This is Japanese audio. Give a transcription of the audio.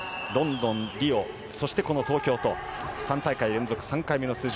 ロンドン、リオ、そしてこの東京と３大会連続３回目の出場。